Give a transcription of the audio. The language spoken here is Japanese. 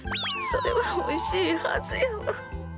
それはおいしいはずやわ。